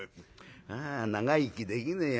あ長生きできねえよ